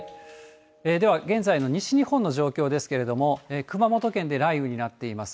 では、現在の西日本の状況ですけれども、熊本県で雷雨になっています。